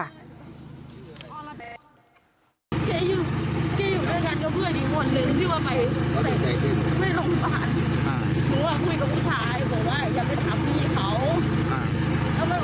แล้วหนูยังว่าผู้ชายวิ่งไปหนูก็คิดว่าแบบ